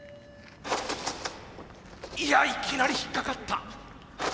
いやいきなり引っ掛かった。